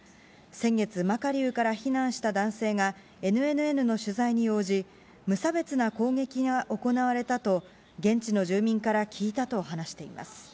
先月、マカリウから避難した男性が、ＮＮＮの取材に応じ、無差別な攻撃が行われたと、現地の住民から聞いたと話しています。